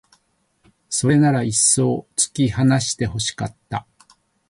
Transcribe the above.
それならいっそう突き放して欲しかった